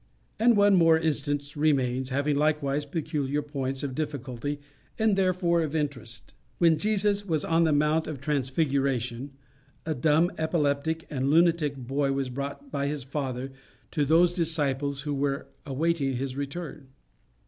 One more instance remains, having likewise peculiar points of difficulty, and therefore of interest. When Jesus was on the mount of transfiguration, a dumb, epileptic, and lunatic boy was brought by his father to those disciples who were awaiting his return.